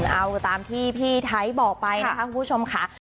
เอาตามที่พี่ไทยบอกไปนะคะคุณผู้ชมค่ะ